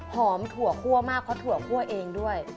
ถั่วคั่วมากเพราะถั่วคั่วเองด้วย